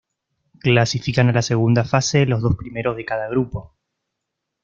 Clasifican a la segunda fase los dos primeros de cada grupo.